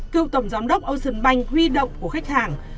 cựu tổng giám đốc ocean bank huy động của khách hàng